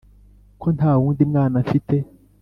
ko nta wundi mwana mfite